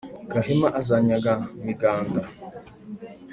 gahima azanyaga miganda.